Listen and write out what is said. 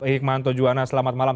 hikmanto juwana selamat malam